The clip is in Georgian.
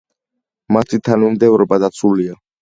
მათი თანმიმდევრობა დაცულია.